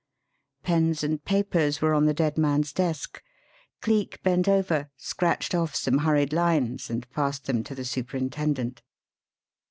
Pens and papers were on the dead man's desk. Cleek bent over, scratched off some hurried lines, and passed them to the superintendent.